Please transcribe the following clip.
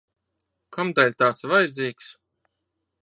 Kamdēļ tāds vajadzīgs?